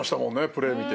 プレー見て。